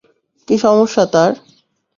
কী সমস্যা তার?